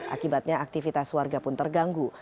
akibatnya aktivitas warga pun terganggu